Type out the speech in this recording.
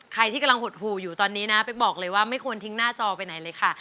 ใครที่กำลังหดหูอยู่ตอนนี้นะเป๊กบอกเลยว่าไม่ควรทิ้งหน้าจอไปไหนเลยค่ะ